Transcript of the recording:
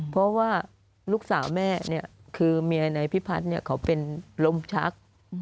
เพราะว่าลูกสาวแม่เนี่ยคือเมียในพิพัฒน์เนี่ยเขาเป็นลมชัก